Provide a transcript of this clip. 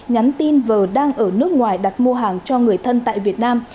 nhắn tin vờ đang ở nước ngoài đặt mua hàng cho người thân tại việt nam